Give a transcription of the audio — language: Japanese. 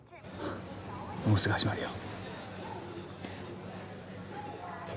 もうすぐ始まるよ